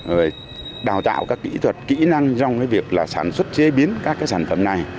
rồi đào tạo các kỹ thuật kỹ năng trong cái việc là sản xuất chế biến các cái sản phẩm này